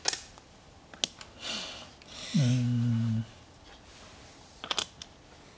うん。